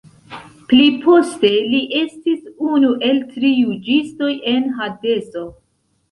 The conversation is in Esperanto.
Pli poste li estis unu el tri juĝistoj en Hadeso.